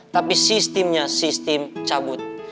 tapi sistemnya sistem cabut